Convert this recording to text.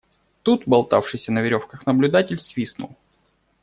Тут болтавшийся на веревках наблюдатель свистнул.